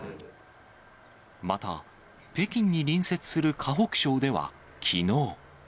また、北京に隣接する河北省では、きのう。